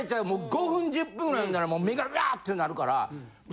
５分１０分ぐらい読んだらもう目がぐやぁってなるから。